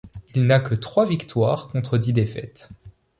Il n'a que trois victoires contre dix défaites.